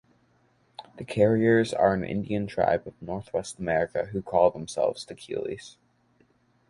The Carriers are an Indian tribe of Northwest America who call themselves Tacullies.